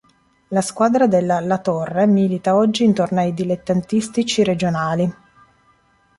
La squadra della La Torre milita oggi in tornei dilettantistici regionali.